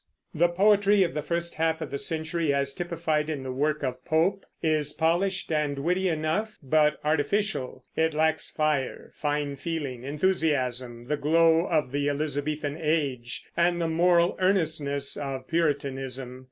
The poetry of the first half of the century, as typified in the work of Pope, is polished and witty enough, but artificial; it lacks fire, fine feeling, enthusiasm, the glow of the Elizabethan Age and the moral earnestness of Puritanism.